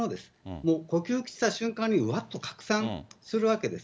もう呼吸した瞬間にうわっと拡散するわけです。